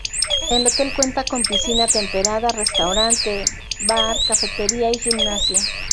El hotel cuenta con piscina temperada, restaurante, bar, cafetería y gimnasio.